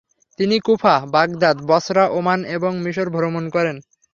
তিনি Kufa, Baghdad, Basra, Oman এবং মিশর ভ্রমণ করেন।